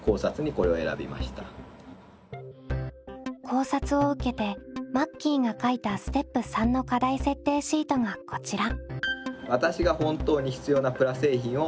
考察を受けてマッキーが書いたステップ③の課題設定シートがこちら。